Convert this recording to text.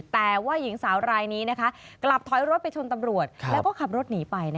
แต่ว่าหญิงสาวรายนี้กลับถอยรถไปชนตำรวจแล้วก็ขับรถหนีไป